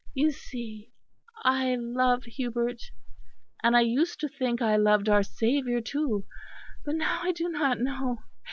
You see, I love Hubert, and I used to think I loved our Saviour too; but now I do not know.